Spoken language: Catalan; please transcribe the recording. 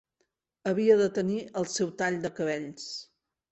Havia de tenir el seu tall de cabells.